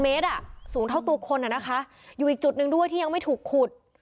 เมตรอ่ะสูงเท่าตัวคนนะคะอยู่อีกจุดหนึ่งด้วยที่ยังไม่ถูกขุด